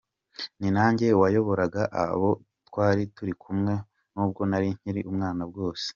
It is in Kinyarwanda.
Ni nanjye wayoboraga abo twari turi kumwe n’ubwo nari nkiri umwana bwose.